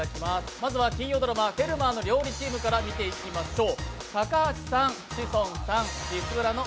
まずは金曜ドラマ「フェルマーの料理」チームから見ていきましょう。